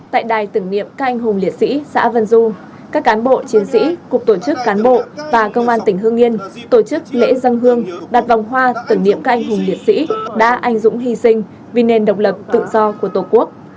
tại đài tưởng niệm các anh hùng liệt sĩ xã vân du các cán bộ chiến sĩ cục tổ chức cán bộ và công an tỉnh hương yên tổ chức lễ dân hương đặt vòng hoa tưởng niệm các anh hùng liệt sĩ đã anh dũng hy sinh vì nền độc lập tự do của tổ quốc